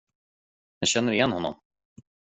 Jag känner igen honom.